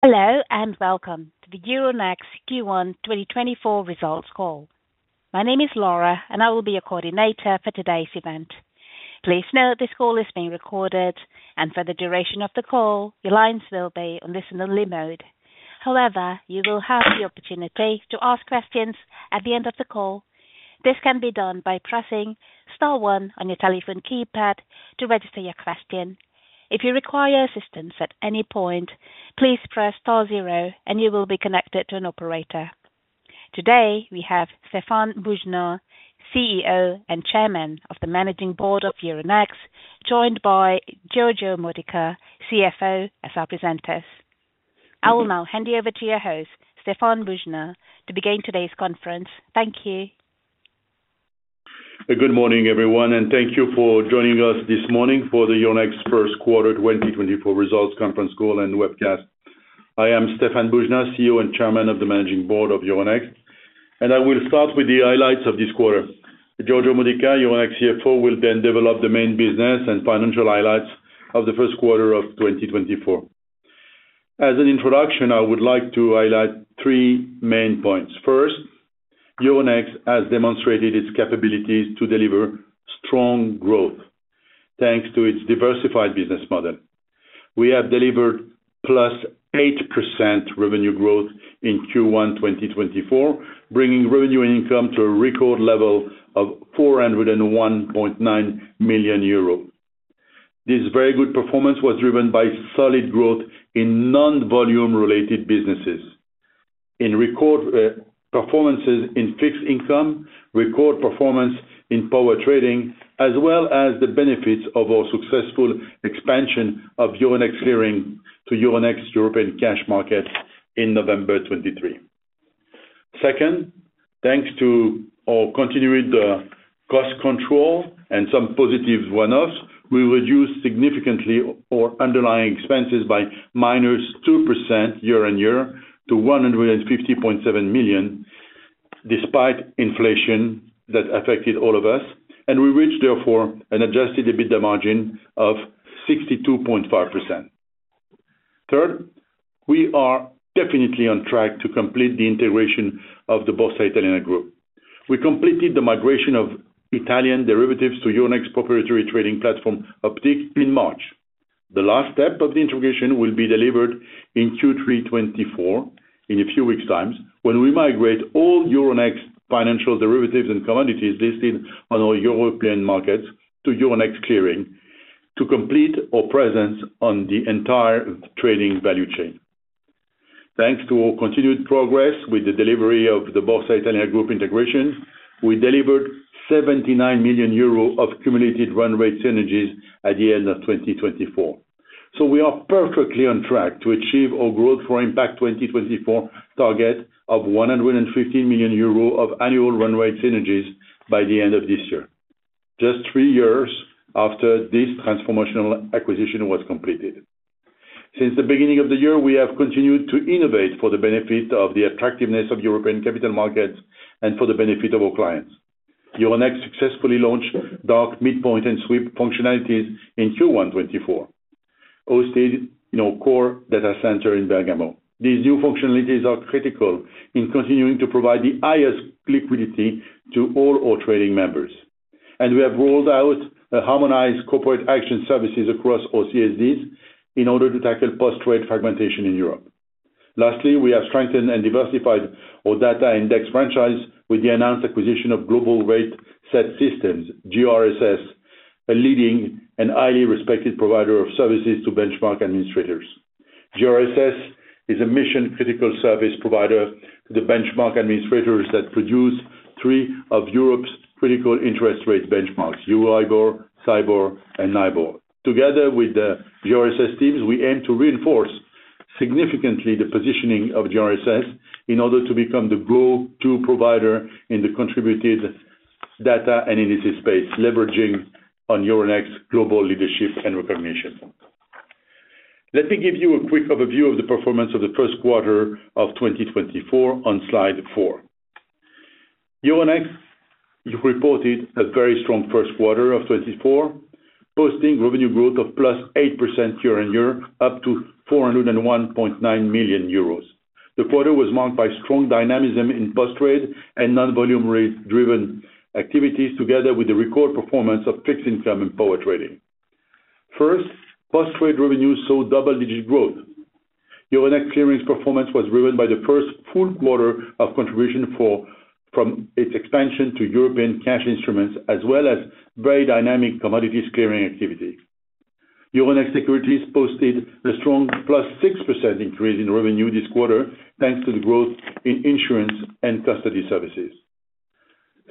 Hello, and welcome to the Euronext Q1 2024 results call. My name is Laura, and I will be your coordinator for today's event. Please note this call is being recorded, and for the duration of the call, your lines will be on listen-only mode. However, you will have the opportunity to ask questions at the end of the call. This can be done by pressing star one on your telephone keypad to register your question. If you require assistance at any point, please press star zero and you will be connected to an operator. Today, we have Stéphane Boujnah, CEO and Chairman of the Managing Board of Euronext, joined by Giorgio Modica, CFO, as our presenters. I will now hand you over to your host, Stéphane Boujnah, to begin today's conference. Thank you. Good morning, everyone, and thank you for joining us this morning for the Euronext first quarter 2024 results conference call and webcast. I am Stéphane Boujnah, CEO and Chairman of the Managing Board of Euronext, and I will start with the highlights of this quarter. Giorgio Modica, Euronext CFO, will then develop the main business and financial highlights of the first quarter of 2024. As an introduction, I would like to highlight three main points. First, Euronext has demonstrated its capabilities to deliver strong growth, thanks to its diversified business model. We have delivered +8% revenue growth in Q1 2024, bringing revenue and income to a record level of 401.9 million euro. This very good performance was driven by solid growth in non-volume related businesses. In record performances in fixed income, record performance in power trading, as well as the benefits of our successful expansion of Euronext Clearing to Euronext European cash market in November 2023. Second, thanks to our continued cost control and some positive one-offs, we reduced significantly our underlying expenses by -2% year-on-year to 150.7 million, despite inflation that affected all of us, and we reached, therefore, an Adjusted EBITDA margin of 62.5%. Third, we are definitely on track to complete the integration of the Borsa Italiana Group. We completed the migration of Italian derivatives to Euronext proprietary trading platform, Optiq, in March. The last step of the integration will be delivered in Q3 2024, in a few weeks' times, when we migrate all Euronext financial derivatives and commodities listed on our European markets to Euronext Clearing, to complete our presence on the entire trading value chain. Thanks to our continued progress with the delivery of the Borsa Italiana Group integration, we delivered 79 million euro of cumulative run rate synergies at the end of 2024. So we are perfectly on track to achieve our Growth for Impact 2024 target of 150 million euro of annual run rate synergies by the end of this year, just three years after this transformational acquisition was completed. Since the beginning of the year, we have continued to innovate for the benefit of the attractiveness of European capital markets and for the benefit of our clients. Euronext successfully launched Dark Midpoint and Sweep functionalities in Q1 2024, hosted in our core data center in Bergamo. These new functionalities are critical in continuing to provide the highest liquidity to all our trading members. We have rolled out the harmonized corporate action services across CSDs in order to tackle post-trade fragmentation in Europe. Lastly, we have strengthened and diversified our data index franchise with the announced acquisition of Global Rate Set Systems, GRSS, a leading and highly respected provider of services to benchmark administrators. GRSS is a mission-critical service provider to the benchmark administrators that produce three of Europe's critical interest rate benchmarks, EURIBOR, STIBOR, and NIBOR. Together with the GRSS teams, we aim to reinforce significantly the positioning of GRSS in order to become the go-to provider in the contributed data and indices space, leveraging on Euronext's global leadership and recognition. Let me give you a quick overview of the performance of the first quarter of 2024 on slide 4. Euronext reported a very strong first quarter of 2024, posting revenue growth of +8% year-on-year, up to 401.9 million euros. The quarter was marked by strong dynamism in post-trade and non-volume rate driven activities, together with the record performance of fixed income and power trading. First, post-trade revenue saw double-digit growth. Euronext Clearing's performance was driven by the first full quarter of contribution from its expansion to European cash instruments, as well as very dynamic commodities clearing activity. Euronext Securities posted a strong +6% increase in revenue this quarter, thanks to the growth in issuance and custody services.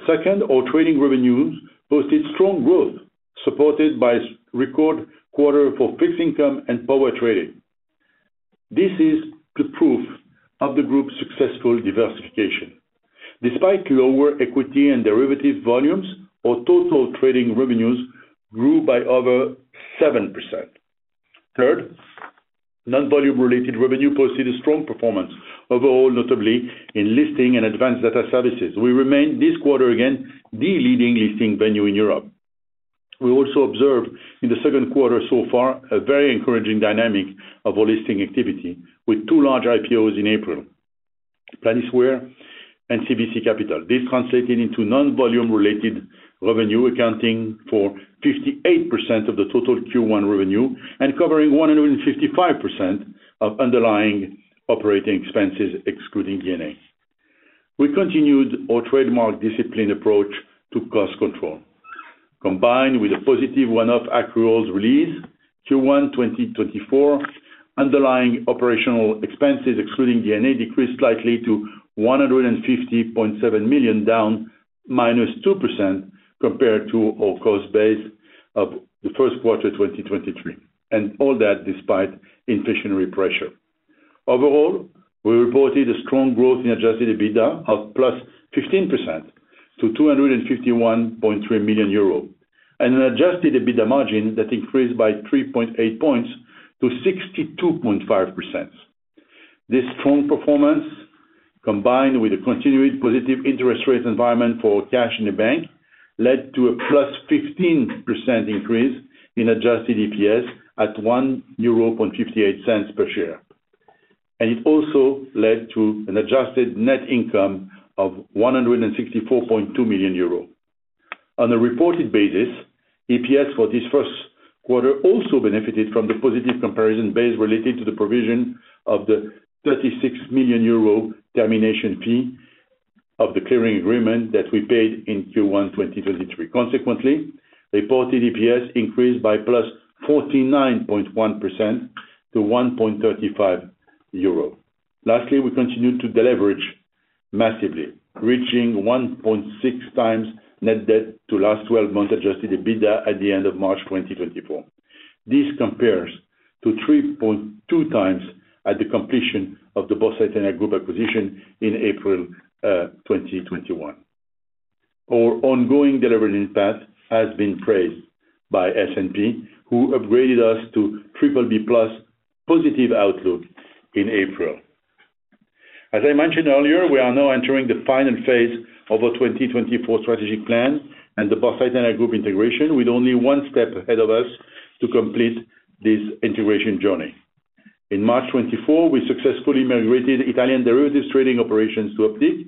Second, our trading revenues posted strong growth, supported by record quarter for fixed income and power trading. This is the proof of the group's successful diversification. Despite lower equity and derivative volumes, our total trading revenues grew by over 7%. Third, non-volume related revenue posted a strong performance overall, notably in listing and Advanced Data Services. We remain, this quarter again, the leading listing venue in Europe. We also observed in the second quarter so far, a very encouraging dynamic of our listing activity, with two large IPOs in April, Planisware and CVC Capital. This translated into non-volume related revenue, accounting for 58% of the total Q1 revenue, and covering 155% of underlying operating expenses, excluding D&A. We continued our trademark discipline approach to cost control. Combined with a positive one-off accruals release, Q1 2024 underlying operational expenses, excluding D&A, decreased slightly to 150.7 million, down -2% compared to our cost base of the first quarter 2023, and all that despite inflationary pressure. Overall, we reported a strong growth in adjusted EBITDA of +15% to 251.3 million euro, and an adjusted EBITDA margin that increased by 3.8 points to 62.5%. This strong performance, combined with a continued positive interest rate environment for cash in the bank, led to a +15% increase in adjusted EPS at 1.58 euro per share. And it also led to an adjusted net income of 164.2 million euro. On a reported basis, EPS for this first quarter also benefited from the positive comparison base related to the provision of the 36 million euro termination fee of the clearing agreement that we paid in Q1 2023. Consequently, reported EPS increased by +49.1% to 1.35 euro. Lastly, we continued to deleverage massively, reaching 1.6 times net debt to last twelve months adjusted EBITDA at the end of March 2024. This compares to 3.2 times at the completion of the Borsa Italiana Group acquisition in April 2021. Our ongoing delivery impact has been praised by S&P, who upgraded us to BBB+ positive outlook in April. As I mentioned earlier, we are now entering the final phase of our 2024 strategic plan and the Borsa Italiana Group integration, with only one step ahead of us to complete this integration journey. In March 2024, we successfully migrated Italian derivatives trading operations to Optiq.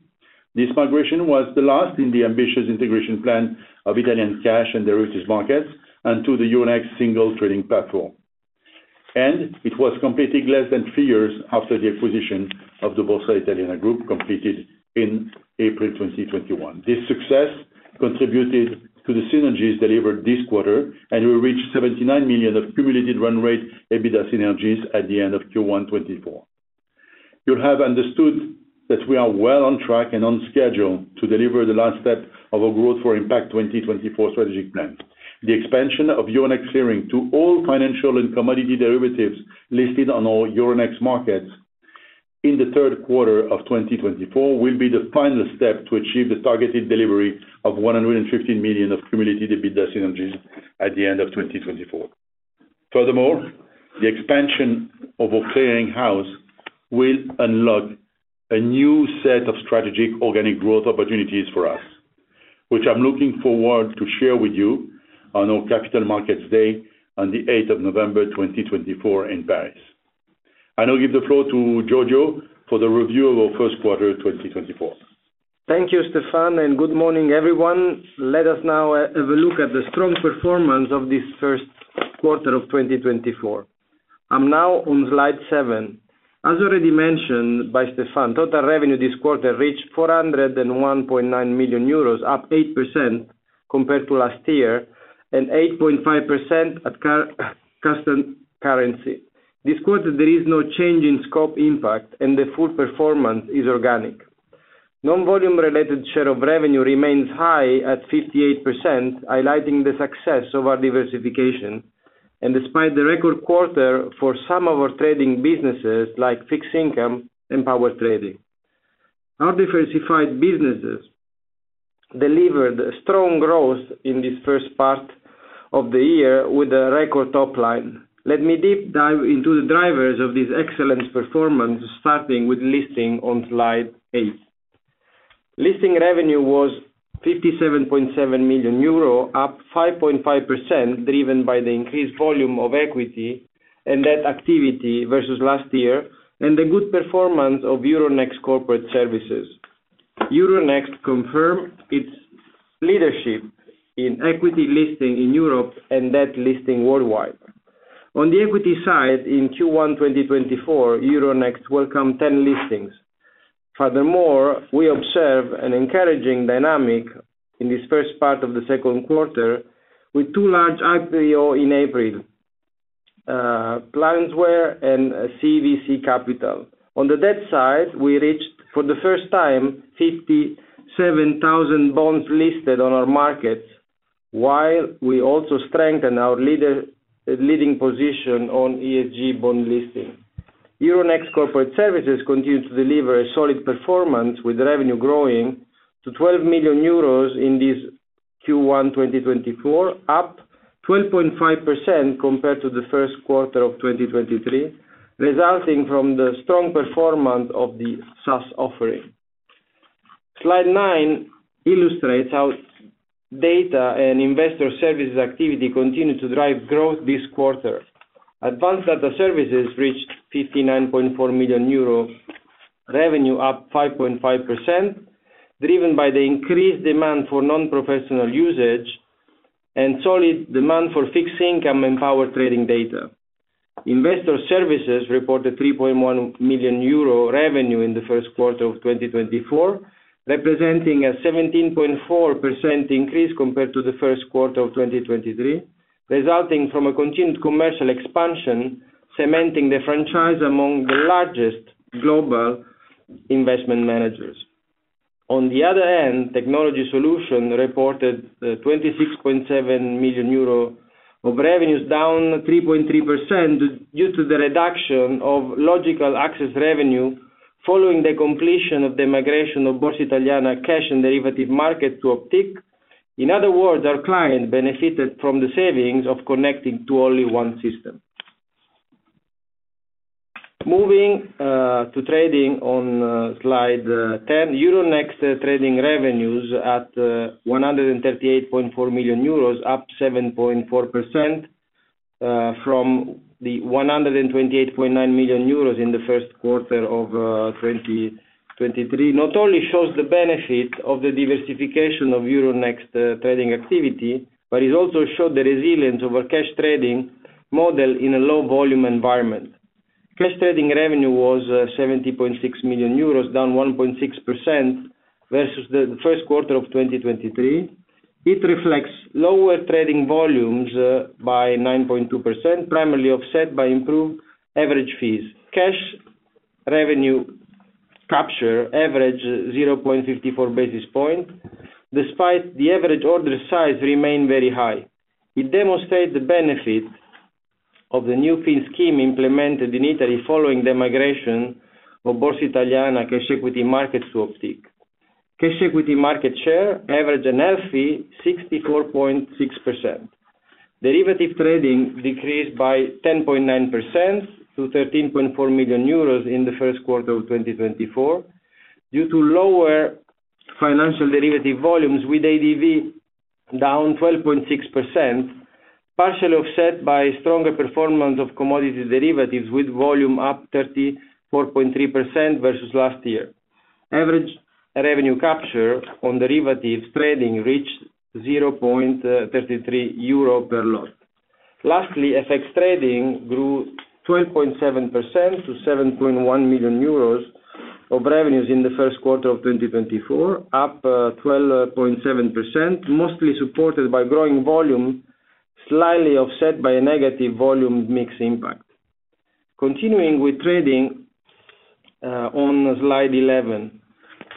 This migration was the last in the ambitious integration plan of Italian cash and derivatives markets and to the Euronext single trading platform. And it was completed less than three years after the acquisition of the Borsa Italiana Group, completed in April 2021. This success contributed to the synergies delivered this quarter, and we reached 79 million of cumulative run rate EBITDA synergies at the end of Q1 2024. You'll have understood that we are well on track and on schedule to deliver the last step of our Growth for Impact 2024 strategic plan. The expansion of Euronext Clearing to all financial and commodity derivatives listed on all Euronext markets in the third quarter of 2024 will be the final step to achieve the targeted delivery of 115 million of cumulative EBITDA synergies at the end of 2024. Furthermore, the expansion of our clearing house will unlock a new set of strategic organic growth opportunities for us, which I'm looking forward to share with you on our Capital Markets Day on the 8th of November, 2024 in Paris. I now give the floor to Giorgio for the review of our first quarter, 2024. Thank you, Stéphane, and good morning, everyone. Let us now have a look at the strong performance of this first quarter of 2024. I'm now on slide 7. As already mentioned by Stéphane, total revenue this quarter reached 401.9 million euros, up 8% compared to last year, and 8.5% at constant currency. This quarter, there is no change in scope impact, and the full performance is organic. Non-volume related share of revenue remains high at 58%, highlighting the success of our diversification, and despite the record quarter for some of our trading businesses, like fixed income and power trading. Our diversified businesses delivered strong growth in this first part of the year with a record top line. Let me deep dive into the drivers of this excellent performance, starting with listing on slide 8. Listing revenue was 57.7 million euro, up 5.5%, driven by the increased volume of equity and that activity versus last year, and the good performance of Euronext Corporate Services. Euronext confirmed its leadership in equity listing in Europe and that listing worldwide. On the equity side, in Q1, 2024, Euronext welcomed 10 listings. Furthermore, we observe an encouraging dynamic in this first part of the second quarter with two large IPO in April, Planisware and CVC Capital. On the debt side, we reached, for the first time, 57,000 bonds listed on our markets, while we also strengthen our leader-leading position on ESG bond listing. Euronext Corporate Services continued to deliver a solid performance, with revenue growing to 12 million euros in this Q1 2024, up 12.5% compared to the first quarter of 2023, resulting from the strong performance of the SaaS offering. Slide 9 illustrates how data and Investor Services activity continued to drive growth this quarter. Advanced Data Services reached 59.4 million euro revenue, up 5.5%, driven by the increased demand for non-professional usage and solid demand for fixed income and power trading data. Investor Services reported 3.1 million euro revenue in the first quarter of 2024, representing a 17.4% increase compared to the first quarter of 2023, resulting from a continued commercial expansion, cementing the franchise among the largest global investment managers. On the other hand, Technology Solutions reported 26.7 million euro of revenues, down 3.3%, due to the reduction of logical access revenue, following the completion of the migration of Borsa Italiana cash and derivative market to Optiq. In other words, our client benefited from the savings of connecting to only one system. Moving to trading on slide 10, Euronext trading revenues at 138.4 million euros, up 7.4% from the 128.9 million euros in the first quarter of 2023. Not only shows the benefit of the diversification of Euronext trading activity, but it also showed the resilience of our cash trading model in a low volume environment. Cash trading revenue was 70.6 million euros, down 1.6% versus the first quarter of 2023. It reflects lower trading volumes by 9.2%, primarily offset by improved average fees. Cash revenue capture average 0.54 basis point, despite the average order size remain very high. It demonstrate the benefit of the new fee scheme implemented in Italy, following the migration of Borsa Italiana cash equity markets to Optiq. Cash equity market share average a healthy 64.6%. Derivative trading decreased by 10.9% to 13.4 million euros in the first quarter of 2024, due to lower financial derivative volumes, with ADV down 12.6%, partially offset by stronger performance of commodity derivatives, with volume up 34.3% versus last year. Average revenue capture on derivatives trading reached 0.33 euro per lot. Lastly, FX trading grew 12.7% to 7.1 million euros of revenues in the first quarter of 2024, up 12.7%, mostly supported by growing volume, slightly offset by a negative volume mix impact. Continuing with trading on slide 11.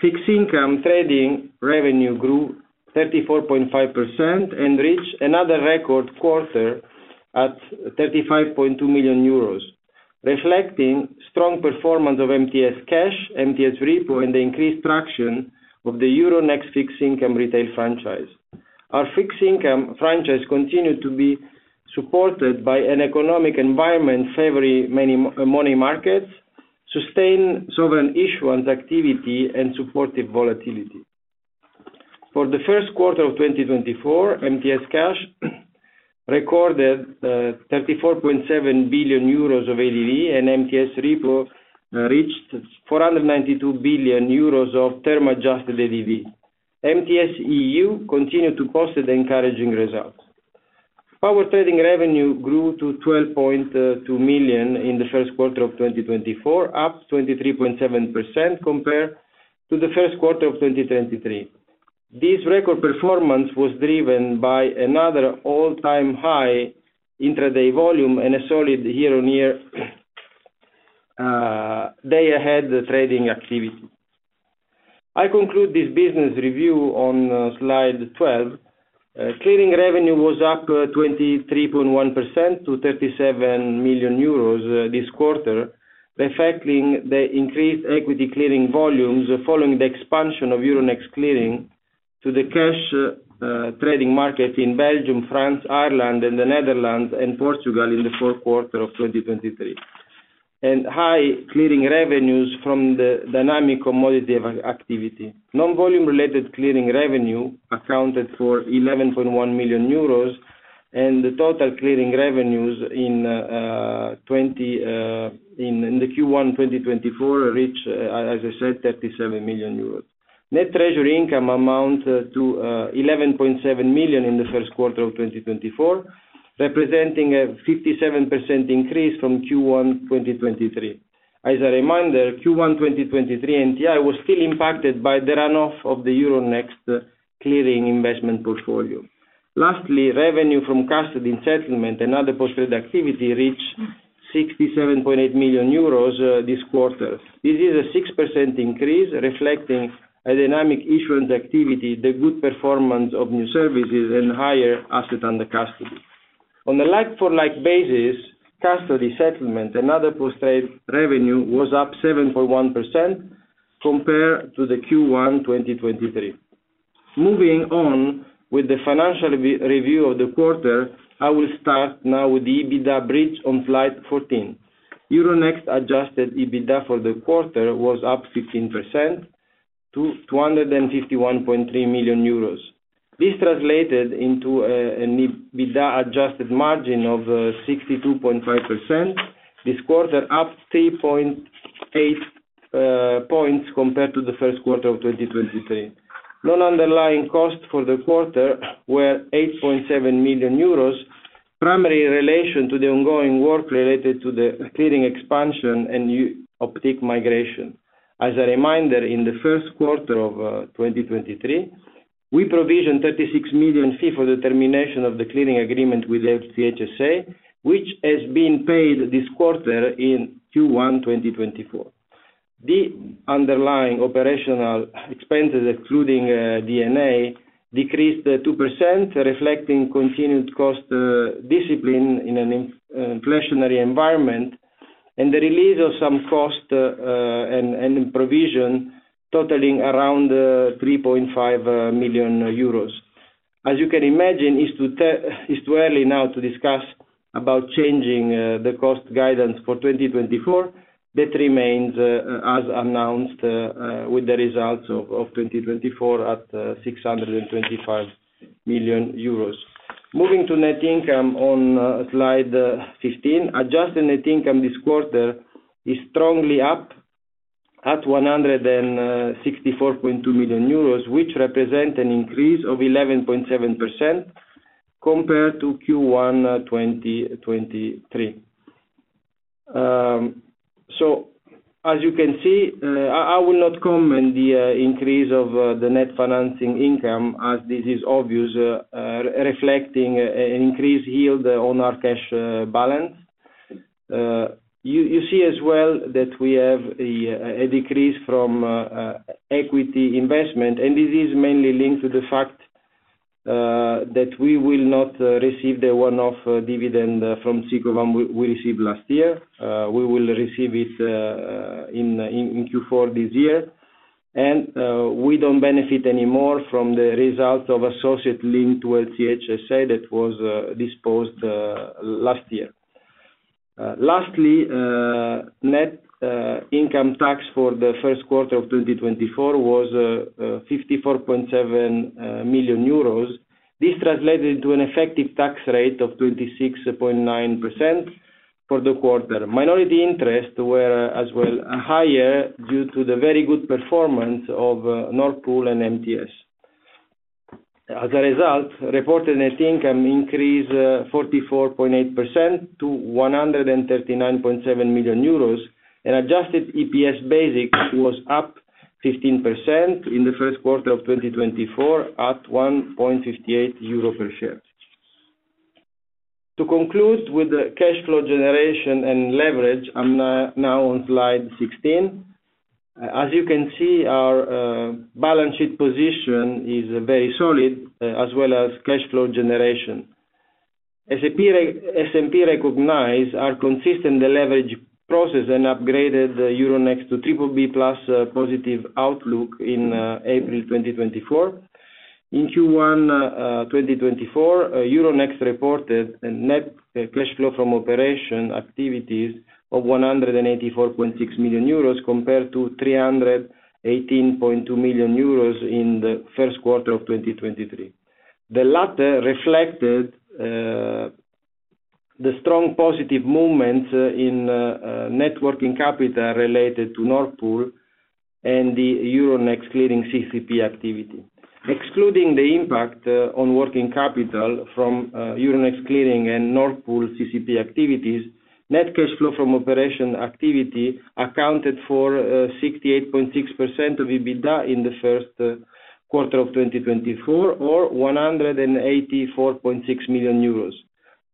Fixed income trading revenue grew 34.5% and reached another record quarter at 35.2 million euros, reflecting strong performance of MTS Cash, MTS Repo, and the increased traction of the Euronext fixed income retail franchise. Our fixed income franchise continued to be supported by an economic environment, favoring many money markets, sustained sovereign issuance activity and supportive volatility. For the first quarter of 2024, MTS Cash recorded 34.7 billion euros of ADV and MTS Repo reached 492 billion euros of term adjusted ADV. MTS EU continued to post the encouraging results. Power trading revenue grew to 12.2 million in the first quarter of 2024, up 23.7% compared to the first quarter of 2023. This record performance was driven by another all-time high intraday volume and a solid year-on-year day ahead trading activity. I conclude this business review on slide 12. Clearing revenue was up 23.1% to 37 million euros this quarter, reflecting the increased equity clearing volumes following the expansion of Euronext Clearing to the cash trading market in Belgium, France, Ireland, and the Netherlands and Portugal in the fourth quarter of 2023. High clearing revenues from the dynamic commodities activity. Non-volume related clearing revenue accounted for 11.1 million euros, and the total clearing revenues in Q1 2024 reached, as I said, 37 million euros. Net Treasury Income amounted to 11.7 million in the first quarter of 2024, representing a 57% increase from Q1 2023. As a reminder, Q1 2023 NTI was still impacted by the run-off of the Euronext Clearing investment portfolio. Lastly, revenue from custody and settlement and other posted activity reached 67.8 million euros this quarter. This is a 6% increase, reflecting a dynamic issuance activity, the good performance of new services, and higher asset under custody. On a like-for-like basis, custody, settlement, and other posted revenue was up 7.1% compared to the Q1 2023. Moving on with the financial review of the quarter, I will start now with the EBITDA bridge on slide 14. Euronext adjusted EBITDA for the quarter was up 15% to 251.3 million euros. This translated into an EBITDA adjusted margin of 62.5%. This quarter up 3.8 points compared to the first quarter of 2023. Non-underlying costs for the quarter were 8.7 million euros, primarily in relation to the ongoing work related to the clearing expansion and Optiq migration. As a reminder, in the first quarter of 2023, we provisioned 36 million fee for the termination of the clearing agreement with LCH SA, which has been paid this quarter in Q1 2024. The underlying operational expenses, excluding D&A, decreased 2%, reflecting continued cost discipline in an inflationary environment, and the release of some cost and provision totaling around 3.5 million euros. As you can imagine, it's too early now to discuss about changing the cost guidance for 2024. That remains, as announced, with the results of 2023 at 625 million euros. Moving to net income on slide 15. Adjusted net income this quarter is strongly up, at 164.2 million euros, which represent an increase of 11.7% compared to Q1 2023. So as you can see, I will not comment the increase of the net financing income, as this is obvious, reflecting an increased yield on our cash balance. You see as well that we have a decrease from equity investment, and this is mainly linked to the fact that we will not receive the one-off dividend from Sicovam we received last year. We will receive it in Q4 this year. And, we don't benefit anymore from the results of associate linked to LCH SA that was disposed last year. Lastly, net income tax for the first quarter of 2024 was 54.7 million euros. This translated to an effective tax rate of 26.9% for the quarter. Minority interest were, as well, higher due to the very good performance of Nord Pool and MTS. As a result, reported net income increased 44.8% to 139.7 million euros. And adjusted EPS basics was up 15% in the first quarter of 2024, at 1.58 euro per share. To conclude with the cash flow generation and leverage, I'm now on slide 16. As you can see, our balance sheet position is very solid, as well as cash flow generation. S&P recognized our consistent leverage process and upgraded Euronext to BBB+, positive outlook in April 2024. In Q1 2024, Euronext reported a net cash flow from operating activities of 184.6 million euros, compared to 318.2 million euros in the first quarter of 2023. The latter reflected the strong positive movement in net working capital related to Nord Pool and the Euronext Clearing CCP activity. Excluding the impact on working capital from Euronext Clearing and Nord Pool CCP activities, net cash flow from operation activity accounted for 68.6% of EBITDA in the first quarter of 2024, or 184.6 million euros.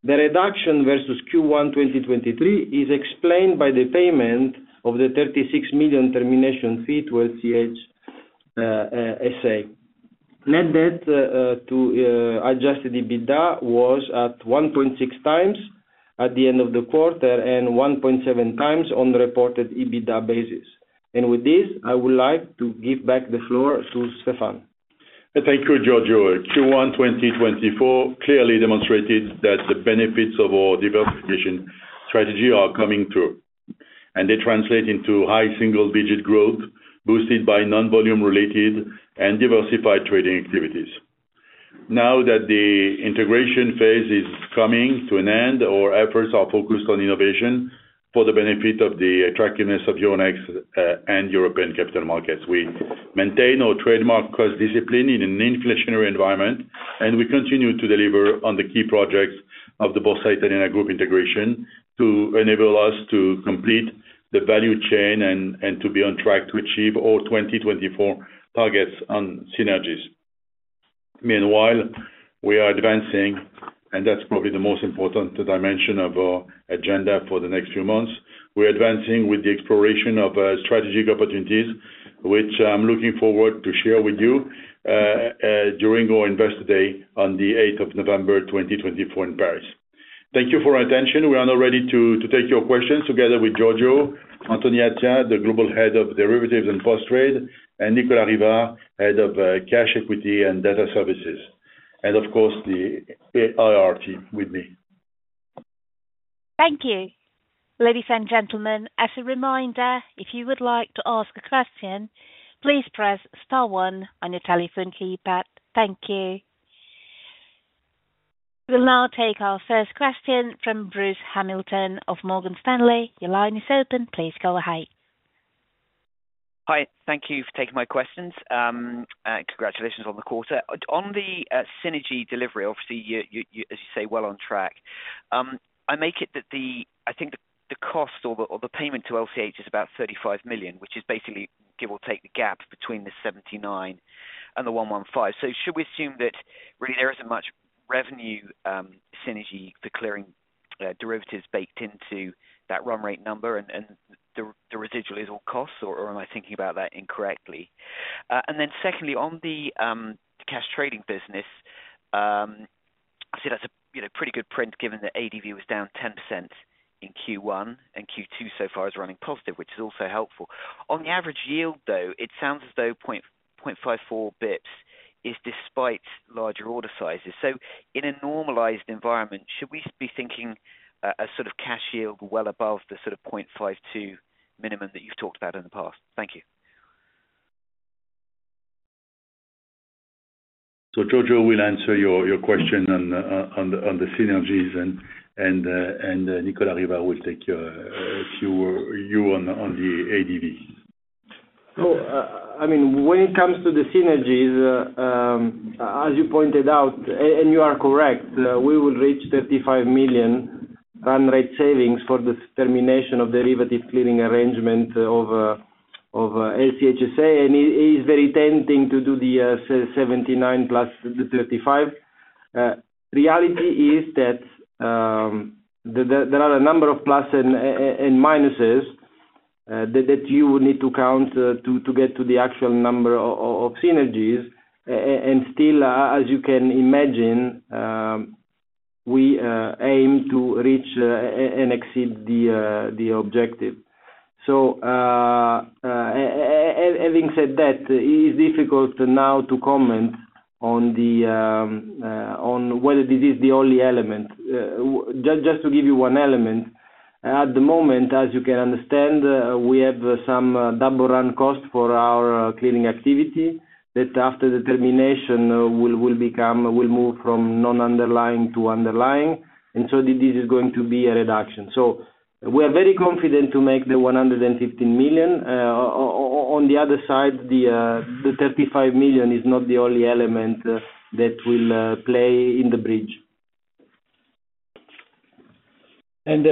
The reduction versus Q1 2023 is explained by the payment of the 36 million termination fee to LCH SA. Net debt to adjusted EBITDA was at 1.6 times at the end of the quarter, and 1.7 times on the reported EBITDA basis. And with this, I would like to give back the floor to Stéphane. Thank you, Giorgio. Q1 2024 clearly demonstrated that the benefits of our diversification strategy are coming through, and they translate into high single-digit growth, boosted by non-volume related and diversified trading activities. Now that the integration phase is coming to an end, our efforts are focused on innovation for the benefit of the attractiveness of Euronext and European capital markets. We maintain our trademark cost discipline in an inflationary environment, and we continue to deliver on the key projects of the Borsa Italiana Group integration, to enable us to complete the value chain and to be on track to achieve our 2024 targets on synergies. Meanwhile, we are advancing, and that's probably the most important dimension of our agenda for the next few months. We're advancing with the exploration of strategic opportunities, which I'm looking forward to share with you during our Investor Day on the eighth of November, twenty twenty-four in Paris. Thank you for your attention. We are now ready to take your questions together with Giorgio, Anthony Attia, the Global Head of Derivatives and Post-Trade, and Nicolas Rivard, Head of Cash Equity and Data Services, and of course, our IR team with me. Thank you. Ladies and gentlemen, as a reminder, if you would like to ask a question, please press star one on your telephone keypad. Thank you. We'll now take our first question from Bruce Hamilton of Morgan Stanley. Your line is open. Please go ahead. Hi. Thank you for taking my questions. Congratulations on the quarter. On the synergy delivery, obviously, as you say, well on track. I make it that the. I think the cost or the payment to LCH is about 35 million, which is basically, give or take, the gap between the 79 million and the 115 million. So should we assume that really there isn't much revenue synergy for clearing derivatives baked into that run rate number and the residual is all costs, or am I thinking about that incorrectly? And then secondly, on the cash trading business, I see that's a, you know, pretty good print, given that ADV was down 10% in Q1, and Q2 so far is running positive, which is also helpful. On the average yield, though, it sounds as though 0.54 basis points is despite larger order sizes. So in a normalized environment, should we be thinking a sort of cash yield well above the sort of 0.52 minimum that you've talked about in the past? Thank you. So Giorgio will answer your question on the synergies and Nicolas Rivard will take your question on the ADV. So, I mean, when it comes to the synergies, as you pointed out, and you are correct, we will reach 35 million run rate savings for the termination of derivative clearing arrangement of LCH SA, and it is very tempting to do the 79 million plus the 35 million. Reality is that, there are a number of plus and minuses that you would need to count to get to the actual number of synergies. And still, as you can imagine, we aim to reach and exceed the objective. So, having said that, it is difficult now to comment on whether this is the only element. Just to give you one element, at the moment, as you can understand, we have some double run costs for our clearing activity, that after the termination will move from non-underlying to underlying, and so this is going to be a reduction. So we are very confident to make the 150 million. On the other side, the 35 million is not the only element that will play in the bridge. And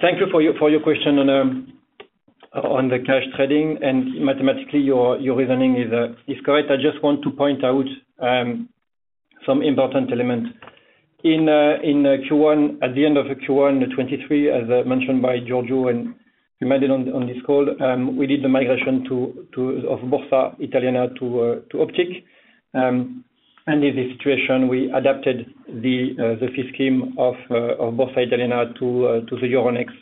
thank you for your question on the cash trading and mathematically your reasoning is correct. I just want to point out some important elements. In Q1, at the end of Q1 2023, as mentioned by Giorgio, and we made it on this call, we did the migration of Borsa Italiana to Optiq. And in this situation, we adapted the fee scheme of Borsa Italiana to the Euronext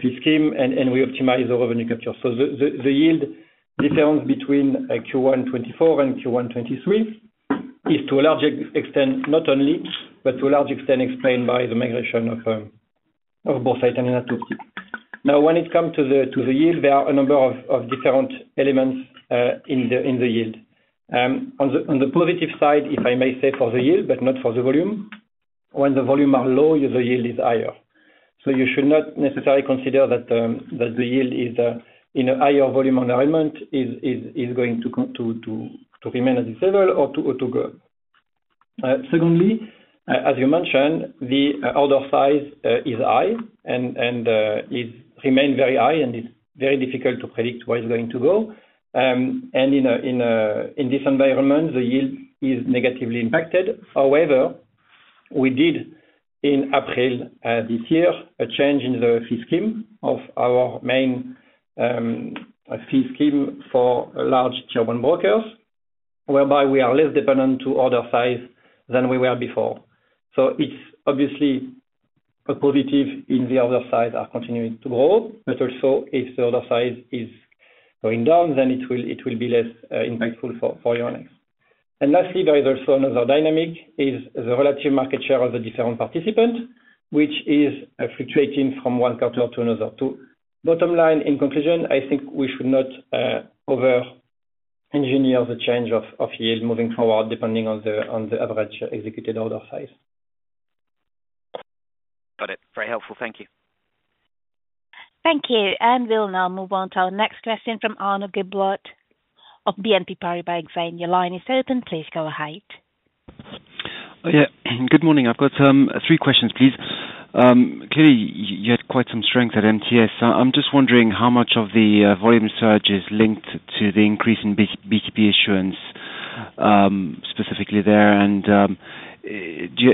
fee scheme, and we optimized our revenue capture. So the yield difference between Q1 2024 and Q1 2023 is to a large extent, not only, but to a large extent explained by the migration of Borsa Italiana to Optiq. Now, when it comes to the yield, there are a number of different elements in the yield. On the positive side, if I may say, for the yield, but not for the volume, when the volume are low, the yield is higher. So you should not necessarily consider that the yield is in a higher volume environment going to remain at this level or to go. Secondly, as you mentioned, the order size is high, and it remains very high, and it's very difficult to predict where it's going to go. And in this environment, the yield is negatively impacted. However, we did in April this year a change in the fee scheme of our main fee scheme for large German brokers, whereby we are less dependent to order size than we were before. So it's obviously a positive in the other side are continuing to grow, but also if the order size is going down, then it will, it will be less impactful for, for Euronext. And lastly, there is also another dynamic, is the relative market share of the different participants, which is, fluctuating from one quarter to another. To bottom line, in conclusion, I think we should not, over-engineer the change of, of years moving forward, depending on the, on the average executed order size. Got it. Very helpful. Thank you. Thank you, and we'll now move on to our next question from Arnaud Giblat of BNP Paribas Exane. Your line is open. Please go ahead. Yeah, good morning. I've got three questions, please. Clearly, you had quite some strength at MTS. I'm just wondering how much of the volume surge is linked to the increase in BTP issuance, specifically there, and do you...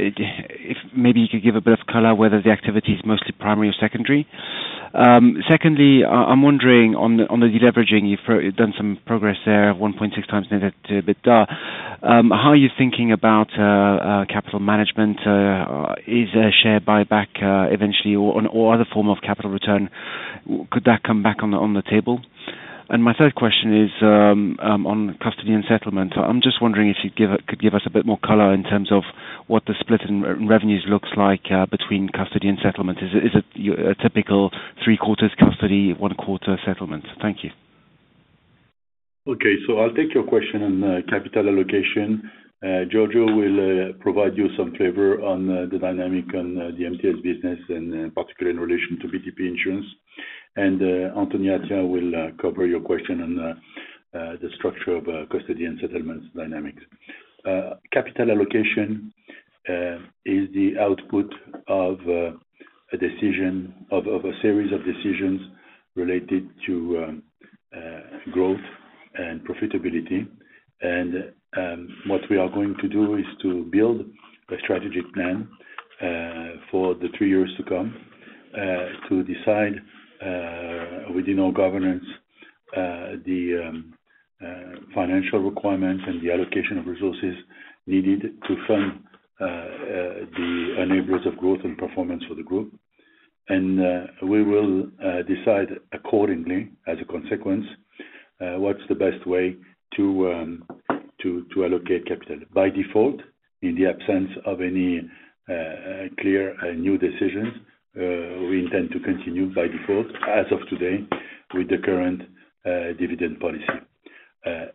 If maybe you could give a bit of color whether the activity is mostly primary or secondary? Second, I'm wondering on the deleveraging. You've done some progress there, 1.6 times net debt to EBITDA. How are you thinking about capital management? Is a share buyback eventually or other form of capital return? Could that come back on the table? And my third question is on custody and settlement. I'm just wondering if you could give us a bit more color in terms of what the split in revenues looks like between custody and settlement. Is it a typical three quarters custody, one quarter settlement? Thank you. Okay. So I'll take your question on capital allocation. Giorgio will provide you some flavor on the dynamic on the MTS business, and particularly in relation to BTP issuance. And Anthony Attia will cover your question on the structure of custody and settlements dynamics. Capital allocation is the output of a decision of a series of decisions related to growth and profitability. And what we are going to do is to build a strategic plan for the three years to come to decide within our governance the financial requirements and the allocation of resources needed to fund the enablers of growth and performance for the group. We will decide accordingly, as a consequence, what's the best way to allocate capital. By default, in the absence of any clear new decisions, we intend to continue by default, as of today, with the current dividend policy.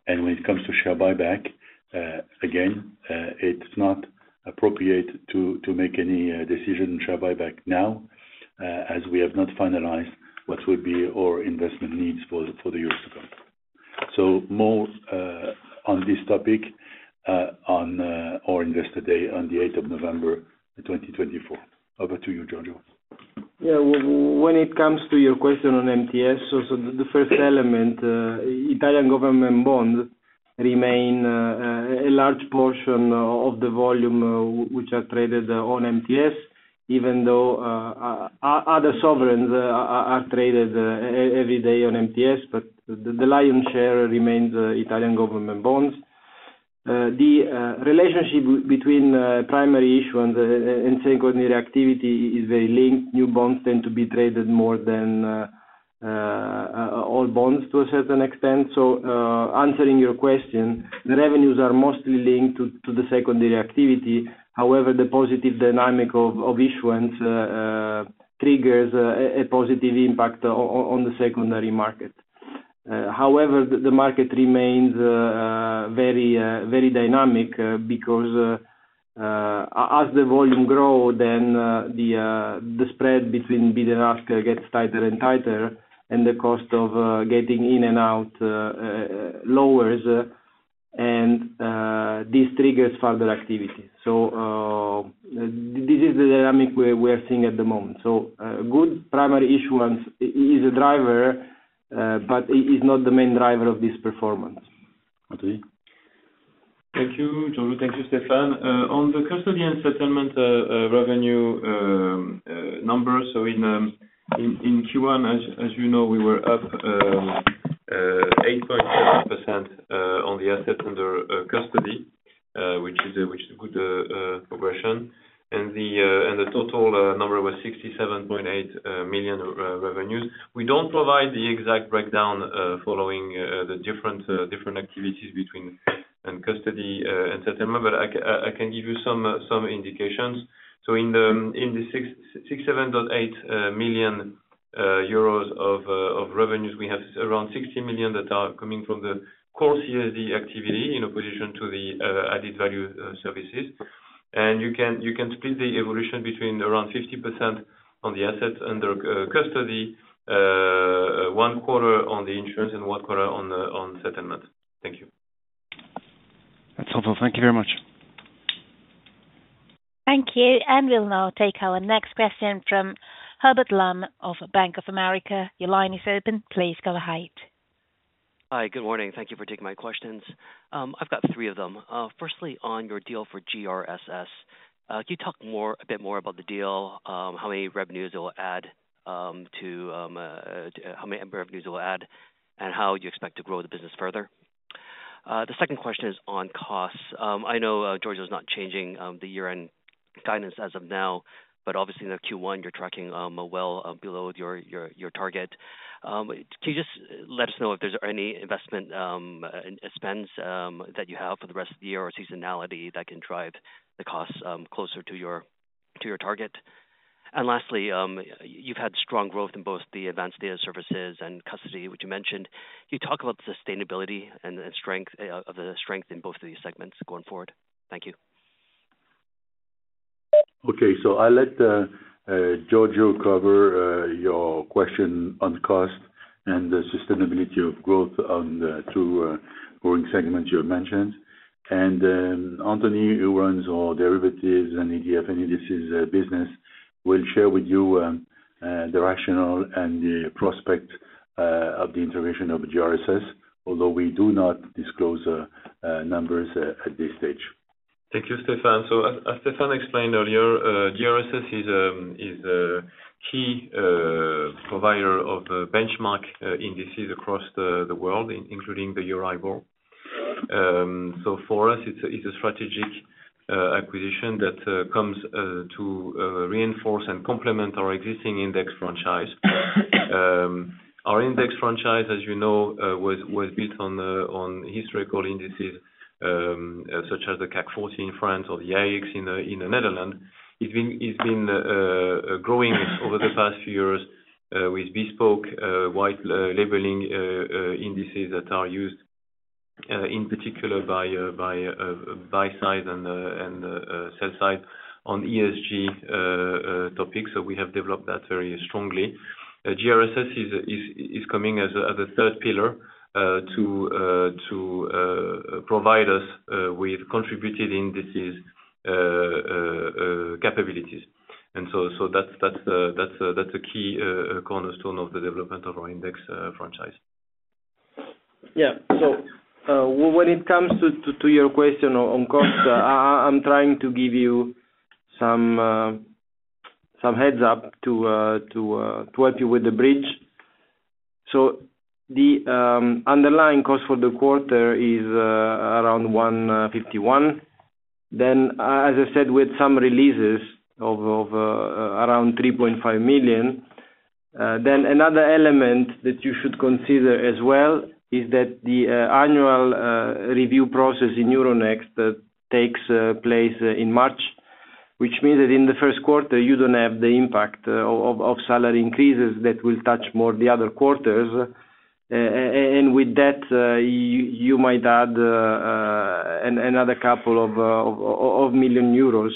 And when it comes to share buyback, again, it's not appropriate to make any decision share buyback now, as we have not finalized what will be our investment needs for the years to come. So more on this topic, on our Investor Day on the eighth of November, 2024. Over to you, Giorgio. Yeah. When it comes to your question on MTS, so the first element, Italian government bonds remain a large portion of the volume which are traded on MTS, even though other sovereigns are traded every day on MTS, but the lion's share remains Italian government bonds. The relationship between primary issuance and secondary activity is very linked. New bonds tend to be traded more than old bonds to a certain extent. So, answering your question, the revenues are mostly linked to the secondary activity. However, the positive dynamic of issuance triggers a positive impact on the secondary market. However, the market remains very very dynamic, because as the volume grow, then the spread between bid and ask gets tighter and tighter, and the cost of getting in and out lowers, and this triggers further activity. So, this is the dynamic we're seeing at the moment. So, good primary issuance is a driver, but it is not the main driver of this performance. Anthony? Thank you, Giorgio. Thank you, Stéphane. On the custody and settlement revenue numbers, so in Q1, as you know, we were up 8.7% on the assets under custody, which is a good progression. And the total number was 67.8 million revenues. We don't provide the exact breakdown following the different activities between custody and settlement, but I can give you some indications. So in the 67.8 million euros of revenues, we have around 60 million that are coming from the core CSD activity, in opposition to the added value services. You can split the evolution between around 50% on the assets under custody, one quarter on the issuance and one quarter on the settlement. Thank you. That's helpful. Thank you very much. Thank you, and we'll now take our next question from Hubert Lam of Bank of America. Your line is open. Please go ahead. Hi, good morning. Thank you for taking my questions. I've got three of them. Firstly, on your deal for GRSS, can you talk more—a bit more about the deal, how many revenues it will add, and how you expect to grow the business further? The second question is on costs. I know Giorgio is not changing the year-end guidance as of now, but obviously in Q1, you're tracking well below your target. Can you just let us know if there's any investment spends that you have for the rest of the year, or seasonality that can drive the costs closer to your target? Lastly, you've had strong growth in both the Advanced Data Services and custody, which you mentioned. Can you talk about the sustainability and the strength of the strength in both of these segments going forward? Thank you. Okay. So I'll let Giorgio cover your question on cost and the sustainability of growth on the two growing segments you have mentioned. And Anthony, who runs our derivatives and post-trade and indices business, will share with you the rationale and the prospect of the integration of GRSS, although we do not disclose numbers at this stage. Thank you, Stéphane. So as Stéphane explained earlier, GRSS is a key provider of benchmark indices across the world, including the EURIBOR. So for us, it's a strategic acquisition that comes to reinforce and complement our existing index franchise. Our index franchise, as you know, was built on historical indices, such as the CAC 40 in France or the AEX in the Netherlands. It's been growing over the past few years with bespoke white labeling indices that are used in particular by buy side and sell side on ESG topics. So we have developed that very strongly. GRSS is coming as a third pillar to provide us with contributed indices capabilities. So that's a key cornerstone of the development of our index franchise. Yeah. So, when it comes to your question on cost, I'm trying to give you some heads-up to help you with the bridge. So the underlying cost for the quarter is around 151 million. Then, as I said, with some releases of around 3.5 million, then another element that you should consider as well, is that the annual review process in Euronext takes place in March, which means that in the first quarter, you don't have the impact of salary increases that will touch more the other quarters. And with that, you might add another couple of million EUR.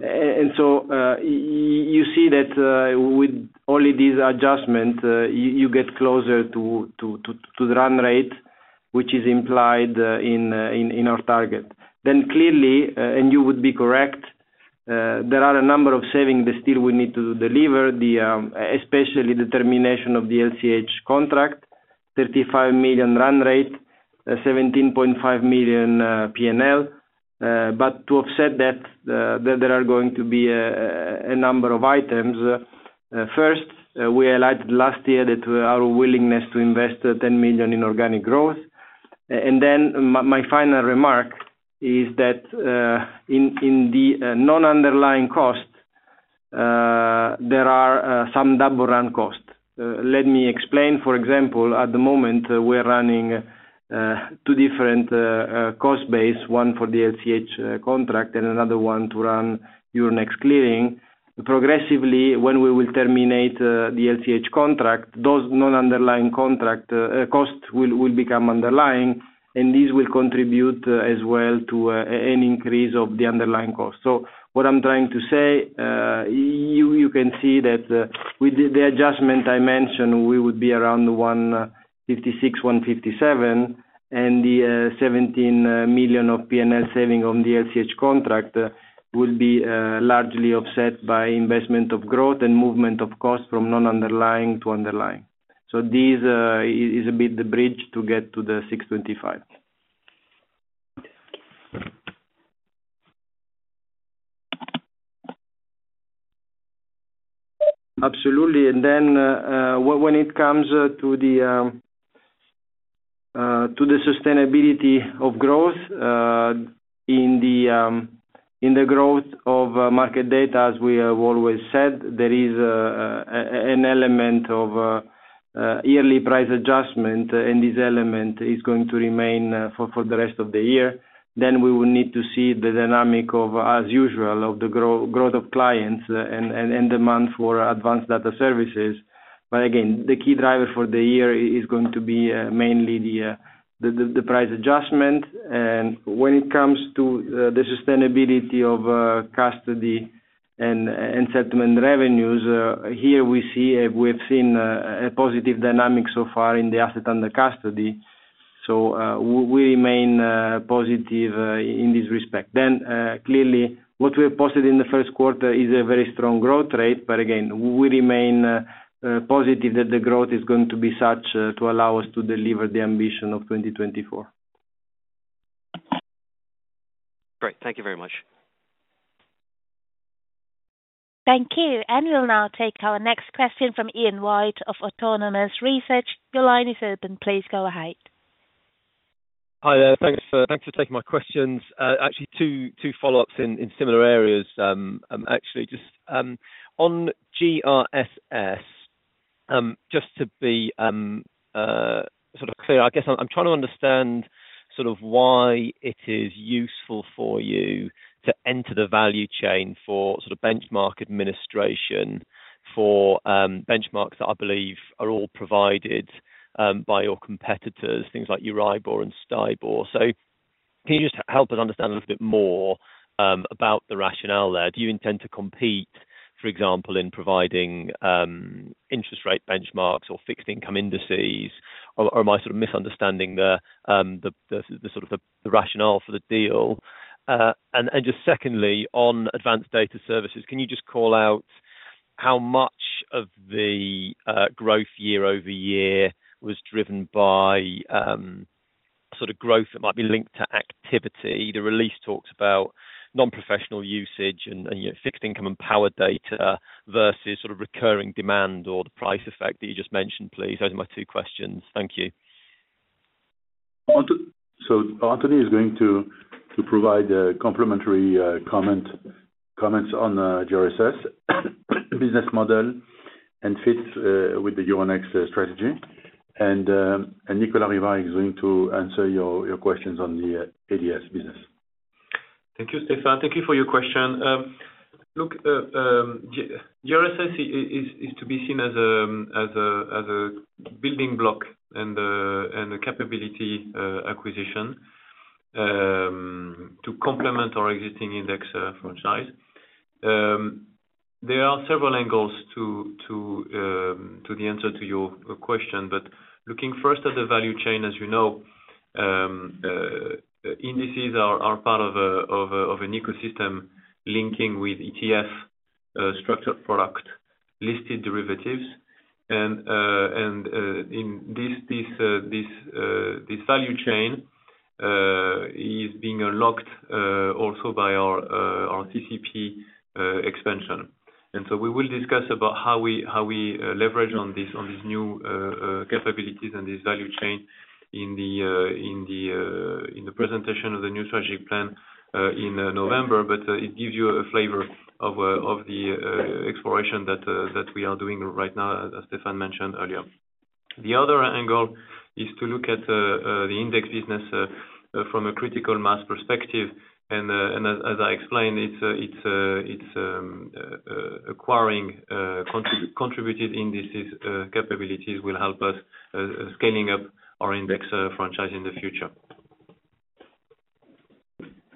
And so, you see that, with all of these adjustments, you get closer to the run rate, which is implied in our target. Then clearly, and you would be correct, there are a number of savings that still we need to deliver, especially the termination of the LCH contract, 35 million run rate, 17.5 million PNL. But to offset that, there are going to be a number of items. First, we highlighted last year that our willingness to invest 10 million in organic growth. And then my final remark is that, in the non-underlying costs, there are some double run costs. Let me explain. For example, at the moment, we're running two different cost base, one for the LCH contract and another one to run Euronext Clearing. Progressively, when we will terminate the LCH contract, those non-underlying contract costs will become underlying, and these will contribute as well to an increase of the underlying cost. So what I'm trying to say, you can see that with the adjustment I mentioned, we would be around 156-157, and the 17 million of PNL saving on the LCH contract will be largely offset by investment of growth and movement of cost from non-underlying to underlying. So this is a bit the bridge to get to the 625. Absolutely. And then, when it comes to the sustainability of growth in the growth of market data, as we have always said, there is an element of yearly price adjustment, and this element is going to remain for the rest of the year. Then we will need to see the dynamic of, as usual, of the growth of clients and demand for Advanced Data Services. But again, the key driver for the year is going to be mainly the price adjustment. When it comes to the sustainability of custody and settlement revenues, here we see, we've seen a positive dynamic so far in the asset under custody, so we remain positive in this respect. Then clearly, what we have posted in the first quarter is a very strong growth rate, but again, we remain positive that the growth is going to be such to allow us to deliver the ambition of 2024. Great. Thank you very much. Thank you. And we'll now take our next question from Ian White of Autonomous Research. Your line is open. Please go ahead. Hi there. Thanks for taking my questions. Actually two follow-ups in similar areas. Actually just on GRSS, just to be sort of clear, I guess I'm trying to understand sort of why it is useful for you to enter the value chain for sort of benchmark administration, for benchmarks that I believe are all provided by your competitors, things like EURIBOR and STIBOR. So can you just help us understand a little bit more about the rationale there? Do you intend to compete, for example, in providing interest rate benchmarks or fixed income indices, or am I sort of misunderstanding the rationale for the deal? And just secondly, on Advanced Data Services, can you just call out how much of the, growth year-over-year was driven by, sort of growth that might be linked to activity? The release talks about non-professional usage and, and, you know, fixed income and power data versus sort of recurring demand or the price effect that you just mentioned, please. Those are my two questions. Thank you. So Anthony is going to provide complementary comments on GRSS business model and fit with the Euronext strategy. And Nicolas Rivard is going to answer your questions on the ADS business. Thank you, Stefan. Thank you for your question. Look, GRSS is to be seen as a building block and a capability acquisition to complement our existing index franchise. There are several angles to the answer to your question, but looking first at the value chain, as you know, indices are part of an ecosystem linking with ETF, structured product, listed derivatives. And in this value chain is being unlocked also by our CCP expansion. And so we will discuss about how we leverage on this new capabilities and this value chain in the presentation of the new strategic plan in November. But it gives you a flavor of the exploration that we are doing right now, as Stefan mentioned earlier. The other angle is to look at the index business from a critical mass perspective, and as I explained, it's acquiring contributed indices capabilities will help us scaling up our index franchise in the future.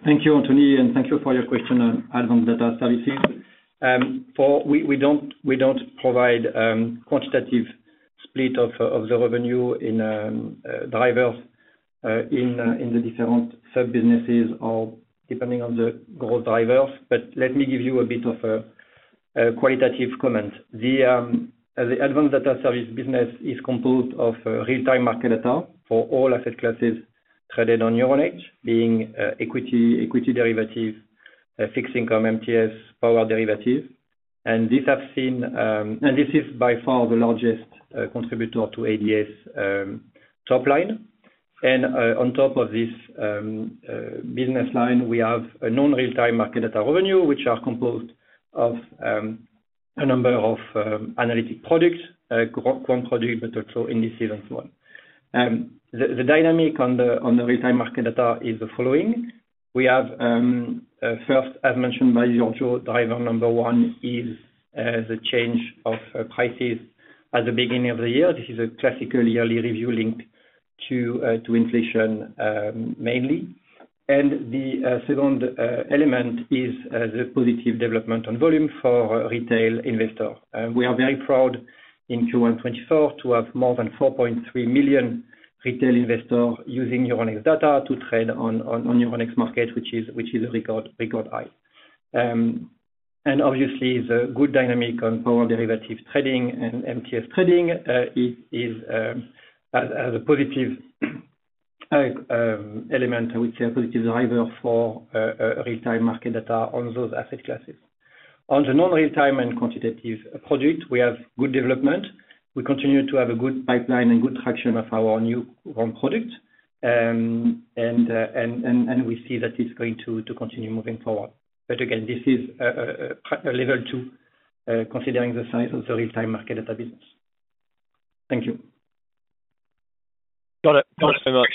Thank you, Anthony, and thank you for your question on Advanced Data Services. We don't provide quantitative split of the revenue in drivers in the different sub-businesses or depending on the growth drivers. But let me give you a bit of a qualitative comment. The advanced data service business is composed of real-time market data for all asset classes traded on Euronext, being equity, equity derivatives, fixed income, MTS, power derivatives. And this is by far the largest contributor to ADS top line. And on top of this business line, we have a non-real-time market data revenue, which are composed of a number of analytic products, one product, but also indices as well. The dynamic on the real-time market data is the following: We have, first, as mentioned by Giorgio, driver number one is the change of prices at the beginning of the year. This is a classical yearly review linked to inflation, mainly. And the second element is the positive development on volume for retail investor. We are very proud in Q1 2024 to have more than 4.3 million retail investors using Euronext data to trade on Euronext market, which is a record high. And obviously, the good dynamic on power derivative trading and MTS trading is the positive element, which a positive driver for real-time market data on those asset classes. On the non-real-time and quantitative project, we have good development. We continue to have a good pipeline and good traction of our new product. We see that it's going to continue moving forward. But again, this is a level two, considering the size of the real-time market data business. Thank you. Got it. Thanks so much.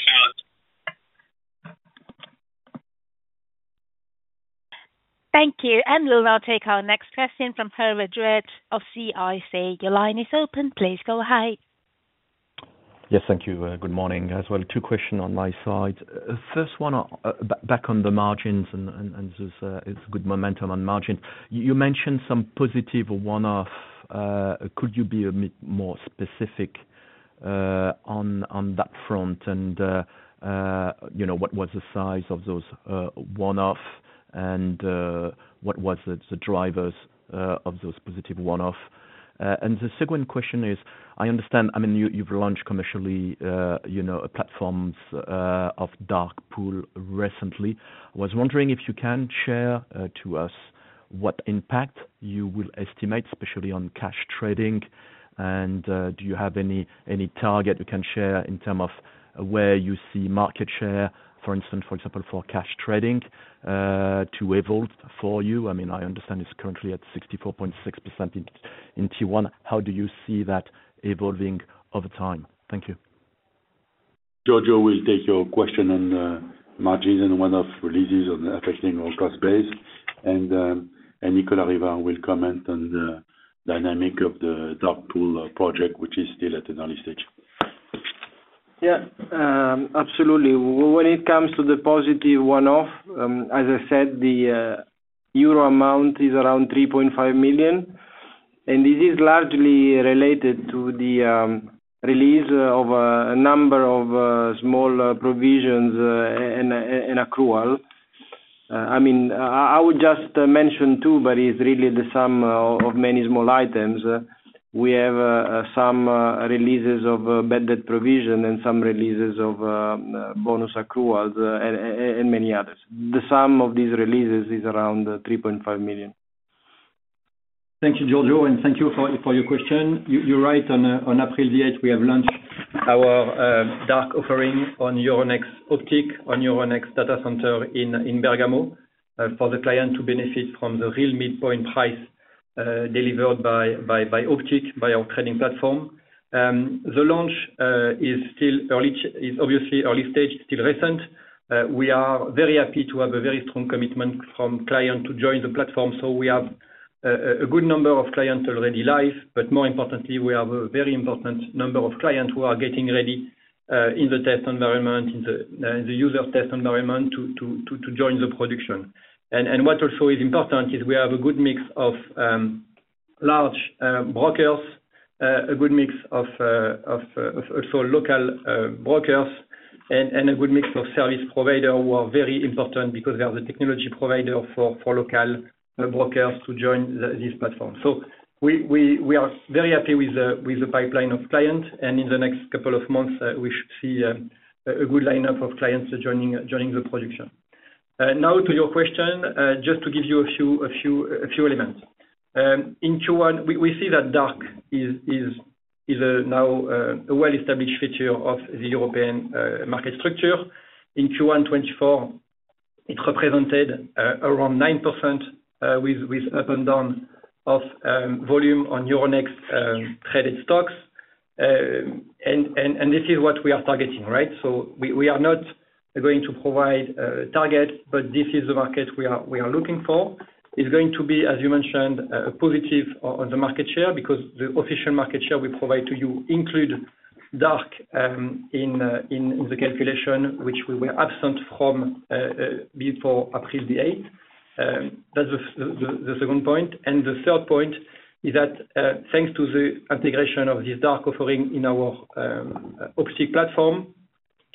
Thank you. We will now take our next question from Pierre Chédeville of CIC. Your line is open. Please go ahead. Yes, thank you. Good morning as well. Two questions on my side. First one, back on the margins and this, it's good momentum on margin. You mentioned some positive one-off. Could you be a bit more specific on that front? And, you know, what was the size of those one-off, and what was the drivers of those positive one-off? And the second question is, I understand, I mean, you, you've launched commercially, you know, platforms of dark pool recently. I was wondering if you can share to us what impact you will estimate, especially on cash trading. And, do you have any target you can share in terms of where you see market share, for instance, for example, for cash trading to evolve for you? I mean, I understand it's currently at 64.6% in Q1. How do you see that evolving over time? Thank you. Giorgio will take your question on margins and one-off releases on affecting our cost base. And, and Nicolas Rivard will comment on the dynamic of the dark pool project, which is still at an early stage. Yeah, absolutely. When it comes to the positive one-off, as I said, the euro amount is around 3.5 million, and this is largely related to the release of a number of small provisions, and accrual. I mean, I would just mention too, but it's really the sum of many small items. We have some releases of bad debt provision and some releases of bonus accruals and many others. The sum of these releases is around 3.5 million. Thank you, Giorgio, and thank you for your question. You, you're right on, on April the eighth, we have launched our dark offering on Euronext Optiq, on Euronext data center in Bergamo, for the client to benefit from the real midpoint price, delivered by Optiq, by our trading platform. The launch is still early, is obviously early stage, still recent. We are very happy to have a very strong commitment from client to join the platform. So we have a good number of clients already live, but more importantly, we have a very important number of clients who are getting ready, in the test environment, in the user test environment, to join the production. What also is important is we have a good mix of large brokers, a good mix of local brokers, and a good mix of service providers who are very important because they are the technology providers for local brokers to join this platform. So we are very happy with the pipeline of clients, and in the next couple of months, we should see a good lineup of clients joining the production. Now to your question, just to give you a few elements. In Q1, we see that dark is now a well-established feature of the European market structure. In Q1 2024, it represented around 9% with up and down of volume on Euronext traded stocks. And this is what we are targeting, right? So we are not going to provide target, but this is the market we are looking for. It's going to be, as you mentioned, a positive on the market share, because the official market share we provide to you include dark in the calculation, which we were absent from before April the eighth. That's the second point. And the third point is that, thanks to the integration of this dark offering in our Optiq platform,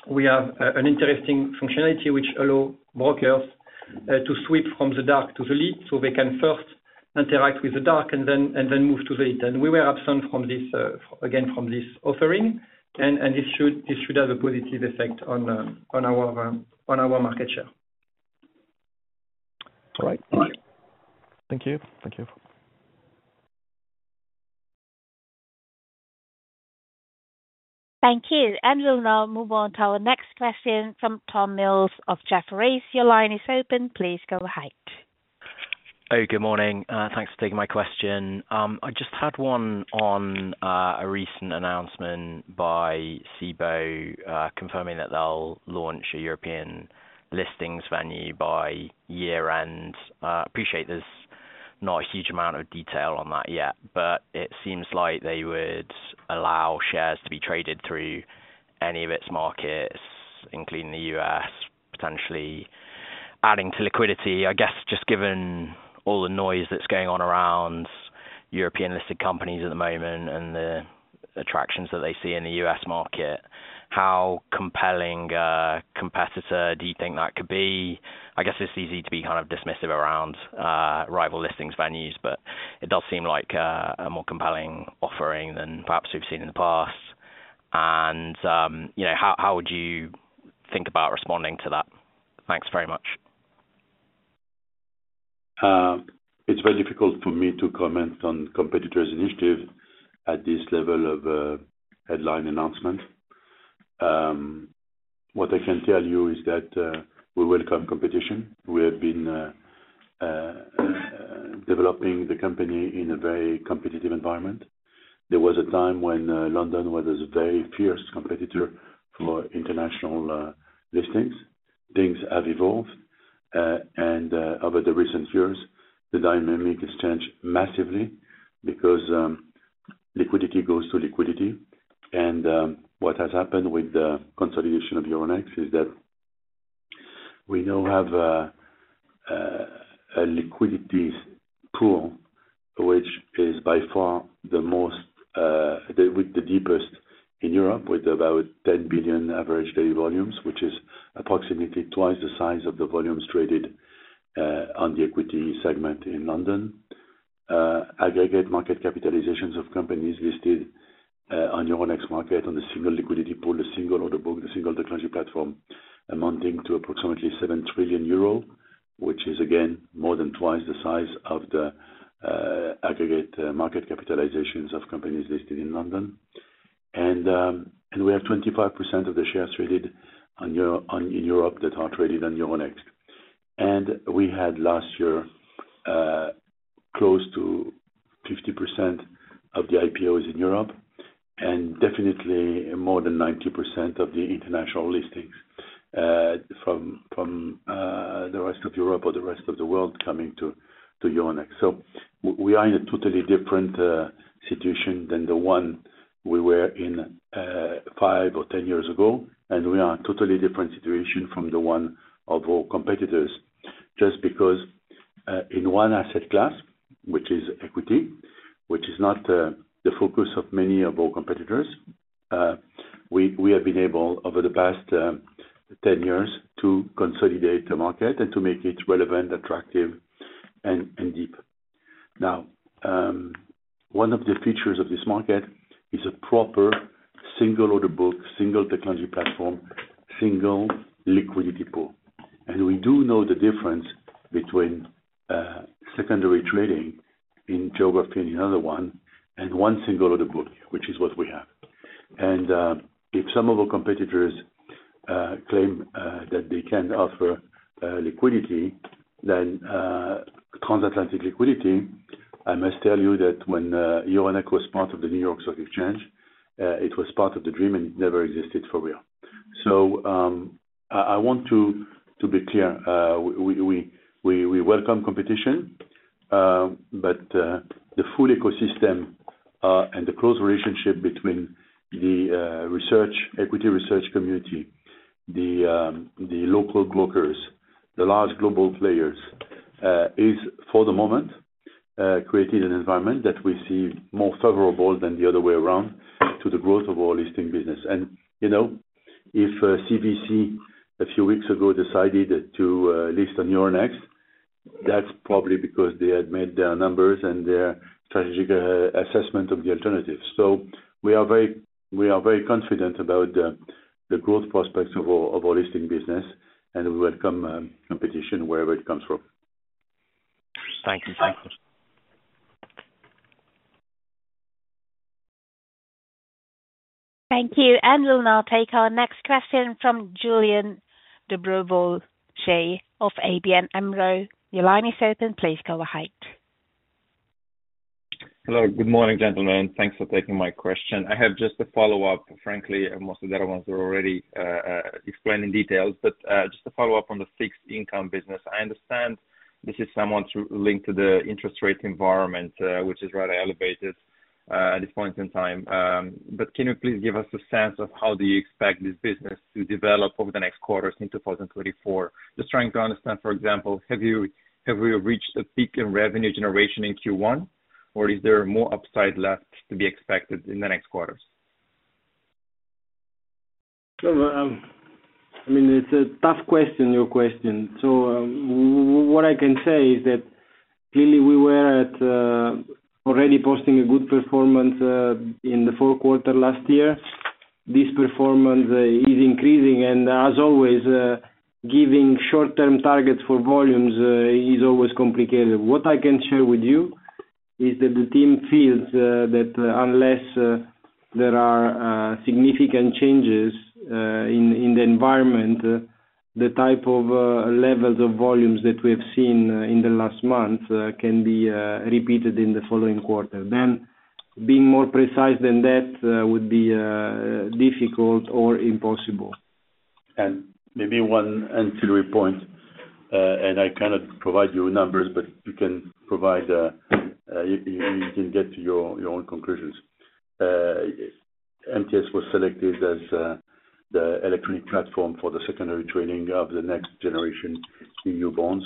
we have an interesting functionality which allow brokers to switch from the dark to the lit, so they can first interact with the dark and then move to the lit. And we were absent from this, again, from this offering, and this should have a positive effect on our market share. All right. Thank you. Thank you. Thank you. And we'll now move on to our next question from Tom Mills of Jefferies. Your line is open. Please go ahead. Hey, good morning, thanks for taking my question. I just had one on a recent announcement by Cboe, confirming that they'll launch a European listings venue by year-end. Appreciate there's not a huge amount of detail on that yet, but it seems like they would allow shares to be traded through any of its markets, including the U.S., potentially adding to liquidity. I guess, just given all the noise that's going on around European-listed companies at the moment and the attractions that they see in the U.S. market, how compelling a competitor do you think that could be? I guess it's easy to be kind of dismissive around rival listings venues, but it does seem like a more compelling offering than perhaps we've seen in the past. And, you know, how would you think about responding to that? Thanks very much. It's very difficult for me to comment on competitors' initiative at this level of headline announcement. What I can tell you is that we welcome competition. We have been developing the company in a very competitive environment. There was a time when London was a very fierce competitor for international listings. Things have evolved, and over the recent years, the dynamic has changed massively because liquidity goes to liquidity. What has happened with the consolidation of Euronext is that we now have a liquidity pool, which is by far the most the deepest in Europe, with about 10 billion average daily volumes, which is approximately twice the size of the volumes traded on the equity segment in London. Aggregate market capitalizations of companies listed on Euronext market on the single liquidity pool, the single order book, the single technology platform, amounting to approximately 7 trillion euro. Which is, again, more than twice the size of the aggregate market capitalizations of companies listed in London. And we have 25% of the shares traded on Euronext, in Europe, that are traded on Euronext. And we had last year close to 50% of the IPOs in Europe, and definitely more than 90% of the international listings from the rest of Europe or the rest of the world coming to Euronext. So we are in a totally different situation than the one we were in 5 or 10 years ago, and we are in a totally different situation from the one of our competitors, just because in one asset class, which is equity, which is not the focus of many of our competitors. We have been able, over the past 10 years, to consolidate the market and to make it relevant, attractive, and deep. Now, one of the features of this market is a proper single order book, single technology platform, single liquidity pool. And we do know the difference between secondary trading in geography and another one, and one single order book, which is what we have. If some of our competitors claim that they can offer liquidity, then transatlantic liquidity, I must tell you that when Euronext was part of the New York Stock Exchange, it was part of the dream, and it never existed for real. So I want to be clear, we welcome competition, but the full ecosystem and the close relationship between the research, equity research community, the local brokers, the large global players is, for the moment, creating an environment that we see more favorable than the other way around to the growth of our listing business. And, you know, if CVC a few weeks ago decided to list on Euronext, that's probably because they had made their numbers and their strategic assessment of the alternatives. So we are very confident about the growth prospects of our listing business, and we welcome competition wherever it comes from. Thank you. Thank you. Thank you, and we'll now take our next question from Iulian Dobrovolschi of ABN AMRO. Your line is open, please go ahead. Hello, good morning, gentlemen. Thanks for taking my question. I have just a follow-up, frankly, and most of the other ones were already explained in details. But just a follow-up on the fixed income business. I understand this is somewhat linked to the interest rate environment, which is rather elevated at this point in time. But can you please give us a sense of how you expect this business to develop over the next quarters in 2024? Just trying to understand, for example, have you- have we reached a peak in revenue generation in Q1, or is there more upside left to be expected in the next quarters? So, I mean, it's a tough question, your question. So, what I can say is that clearly we were already posting a good performance in the fourth quarter last year. This performance is increasing, and as always, giving short-term targets for volumes is always complicated. What I can share with you is that the team feels that unless there are significant changes in the environment, the type of levels of volumes that we have seen in the last month can be repeated in the following quarter. Then, being more precise than that would be difficult or impossible. Maybe one ancillary point, and I cannot provide you numbers, but you can get to your own conclusions. MTS was selected as the electronic platform for the secondary trading of the NextGenerationEU bonds.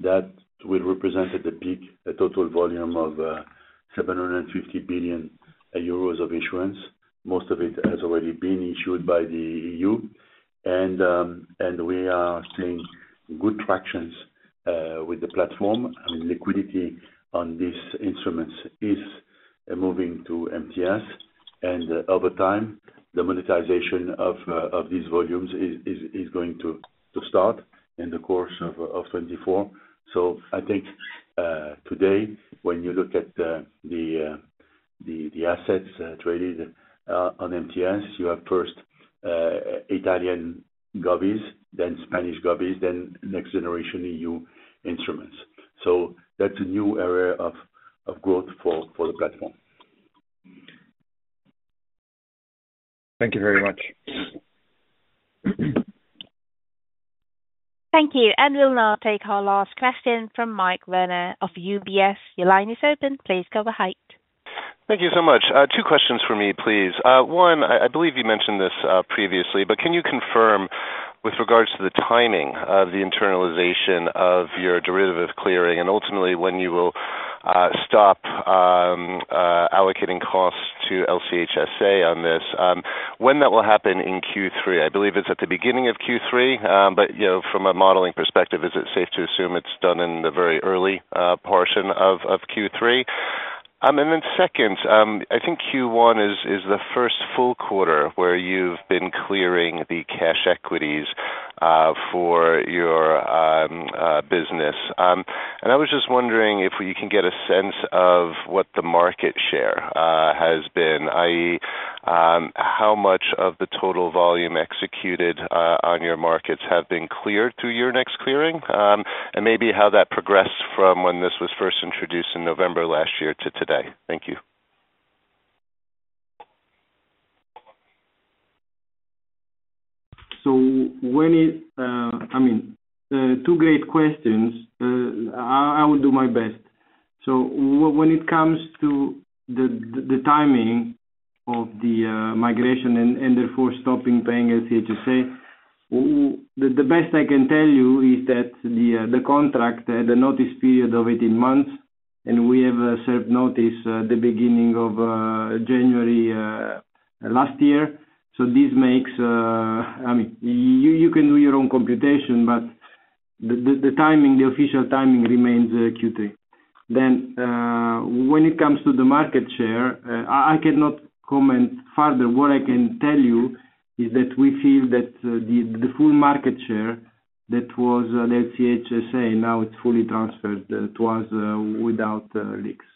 That will represent, at the peak, a total volume of 750 billion euros of issuance. Most of it has already been issued by the EU, and we are seeing good traction with the platform. I mean, liquidity on these instruments is moving to MTS, and over time, the monetization of these volumes is going to start in the course of 2024. So I think today, when you look at the assets traded on MTS, you have first Italian govies, then Spanish govies, then NextGenerationEU instruments. So that's a new area of growth for the platform. Thank you very much. Thank you. We'll now take our last question from Mike Werner of UBS. Your line is open, please go ahead. Thank you so much. Two questions for me, please. One, I believe you mentioned this previously, but can you confirm, with regards to the timing of the internalization of your derivatives clearing, and ultimately when you will stop allocating costs to LCH SA on this, when that will happen in Q3? I believe it's at the beginning of Q3, but, you know, from a modeling perspective, is it safe to assume it's done in the very early portion of Q3? And then second, I think Q1 is the first full quarter where you've been clearing the cash equities for your business. And I was just wondering if we can get a sense of what the market share has been, i.e., how much of the total volume executed on your markets have been cleared through your Euronext Clearing. And maybe how that progressed from when this was first introduced in November last year to today. Thank you. So when it, I mean, two great questions. I will do my best. So when it comes to the timing of the migration and therefore stopping paying LCH SA, the best I can tell you is that the contract, the notice period of 18 months, and we have served notice at the beginning of January last year. So this makes, I mean, you can do your own computation, but the timing, the official timing remains Q3. Then, when it comes to the market share, I cannot comment further. What I can tell you is that we feel that the full market share that was LCH SA, now it's fully transferred to us without leaks.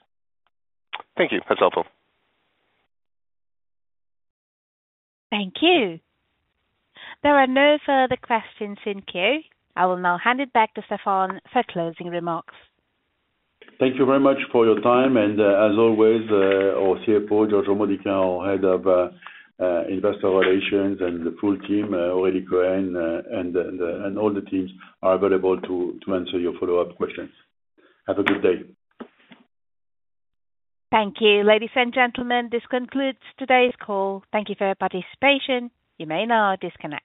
Thank you. That's helpful. Thank you. There are no further questions in queue. I will now hand it back to Stéphane for closing remarks. Thank you very much for your time, and, as always, our CFO, Giorgio Modica, our head of Investor Relations, and the full team, Aurélie Cohen, and all the teams are available to answer your follow-up questions. Have a good day. Thank you. Ladies and gentlemen, this concludes today's call. Thank you for your participation. You may now disconnect.